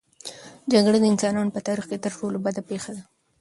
جګړه د انسانانو په تاریخ کې تر ټولو بده پېښه ده.